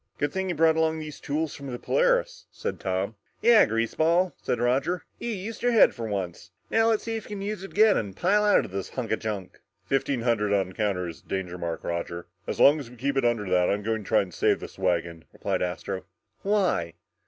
"Good thing you brought along those tools from the Polaris," said Tom. "Yeah, greaseball," said Roger, "you used your head for once. Now let's see you use it again and pile out of this hunk of junk!" "Fifteen hundred on the counter is the danger mark, Roger, and as long as we keep it under that, I'm going to try and save this wagon!" replied Astro. "Why?